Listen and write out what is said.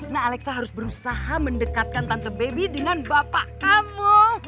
nah alexa harus berusaha mendekatkan tante baby dengan bapak kamu